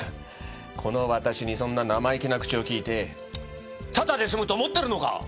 この私にそんな生意気な口を利いてただで済むと思ってるのか！